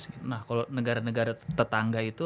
kalau negara negara tetangga itu